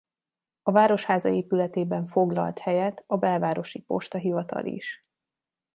A városháza épületében foglalt helyet a belvárosi postahivatal is.